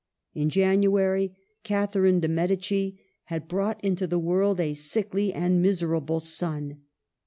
In Janu ary, Catherine dei Medici had brought into the world a sickly and miserable son.